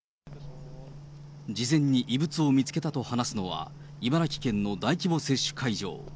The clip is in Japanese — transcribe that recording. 事前に異物を見つけたと話すのは、茨城県の大規模接種会場。